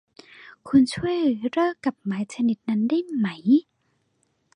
คุณช่วยเลิกกับไม้เทนนิสนั้นได้ไหม !